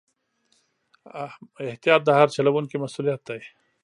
احتیاط د هر چلوونکي مسؤلیت دی.